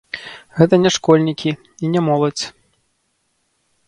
Гэта не школьнікі і не моладзь.